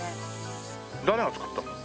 誰が作ったの？